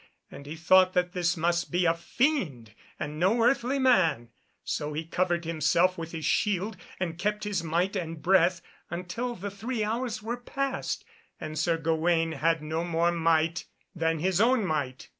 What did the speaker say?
And he thought that this must be a fiend and no earthly man, so he covered himself with his shield, and kept his might and breath until the three hours were past and Sir Gawaine had no more than his own might.